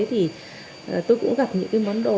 thì tôi cũng gặp những cái món đồ